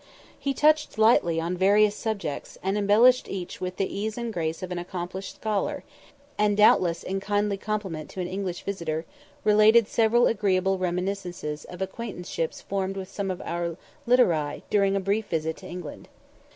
He touched lightly on various subjects, and embellished each with the ease and grace of an accomplished scholar, and, doubtless in kindly compliment to an English visitor, related several agreeable reminiscences of acquaintanceships formed with some of our literati during a brief visit to England.